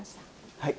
はい。